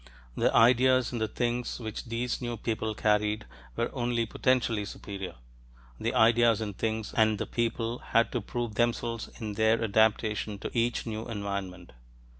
The ideas and the things which these new people carried were only potentially superior. The ideas and things and the people had to prove themselves in their adaptation to each new environment.